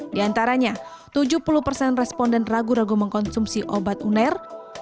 di antaranya tujuh puluh persen responden ragu ragu mengkonsumsi obat uner